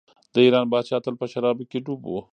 د ایران پاچا تل په شرابو کې ډوب و.